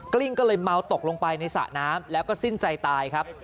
ลิ้งก็เลยเมาตกลงไปในสระน้ำแล้วก็สิ้นใจตายครับ